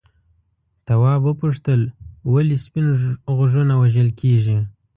تواب وپوښتل ولې سپین غوږونه وژل کیږي.